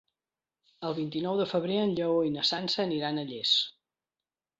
El vint-i-nou de febrer en Lleó i na Sança aniran a Llers.